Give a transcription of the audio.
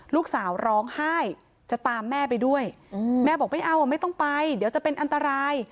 ลูกสาวร้องไห้จะตามแม่ไปด้วยแม่บอกไม่เอาไม่ต้องไปเดี๋ยวจะเป็นอันตราย